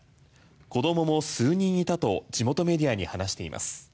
子供も数人いたと地元メディアに話しています。